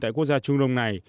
tại quốc gia trung đông này